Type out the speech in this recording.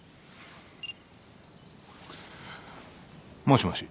・もしもし？